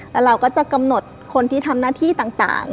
แล้วเราก็จะกำหนดคนที่ทำหน้าที่ต่าง